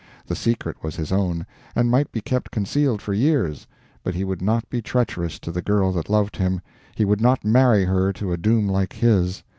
The secret was his own, and might be kept concealed for years; but he would not be treacherous to the girl that loved him; he would not marry her to a doom like his.